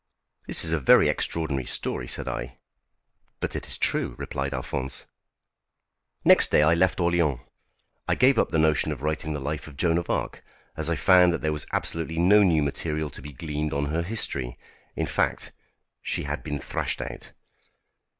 "This is a very extraordinary story," said I. "But it is true," replied Alphonse. Next day I left Orléans. I gave up the notion of writing the life of Joan of Arc, as I found that there was absolutely no new material to be gleaned on her history in fact, she had been thrashed out.